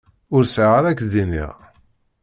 Ur sεiɣ ara k-d-iniɣ.